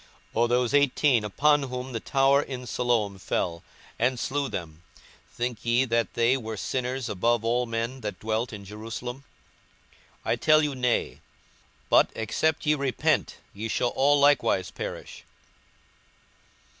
42:013:004 Or those eighteen, upon whom the tower in Siloam fell, and slew them, think ye that they were sinners above all men that dwelt in Jerusalem? 42:013:005 I tell you, Nay: but, except ye repent, ye shall all likewise perish.